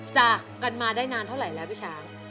จากกันมาได้นานเท่าไหร่แล้วพี่ช้าง